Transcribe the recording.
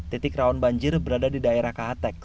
titik rawan banjir berada di daerah kahatek